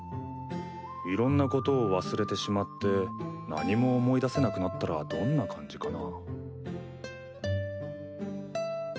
いろんなことを忘れてしまって何も思い出せなくなったらどんな感じかな。